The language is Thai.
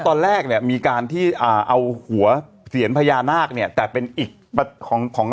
ตอนแรกเนี่ยมีการที่อ่าเอาหัวเสียนพญานาคเนี่ยแต่เป็นอีกของของ